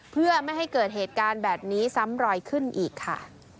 เพื่อไม่ให้เกิดเหตุการณ์แบบนี้ซ้ำรอยขึ้นอีกค่ะ